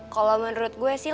kalau menurut gue sih